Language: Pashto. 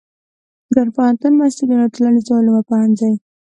ننګرهار پوهنتون محصلینو د ټولنیزو علومو پوهنځي